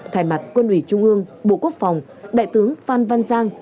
thay mặt quân ủy trung ương bộ quốc phòng đại tướng phan văn giang